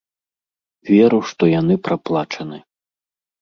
Веру, што яны праплачаны.